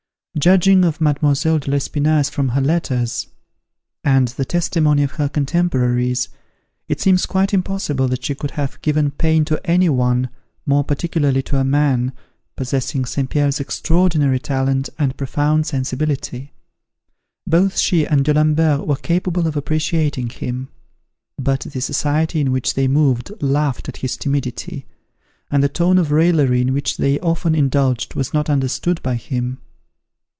Judging of Mlle. de l'Espinasse from her letters, and the testimony of her contemporaries, it seems quite impossible that she could have given pain to any one, more particularly to a man possessing St. Pierre's extraordinary talent and profound sensibility. Both she and D'Alembert were capable of appreciating him; but the society in which they moved laughed at his timidity, and the tone of raillery in which they often indulged was not understood by him.